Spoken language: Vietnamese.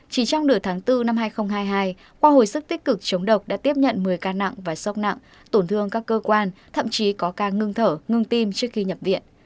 chỉ trong nửa tháng bốn năm hai nghìn hai mươi hai khoa hồi sức tích cực chống độc đã tiếp nhận một mươi ca nặng và sốc nặng tổn thương các cơ quan thậm chí có ca ngưng thở ngưng tim trước khi nhập viện